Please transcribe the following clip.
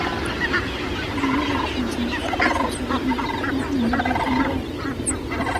Miguel Alfonso Martínez-Echevarría fue el primer decano de la Facultad.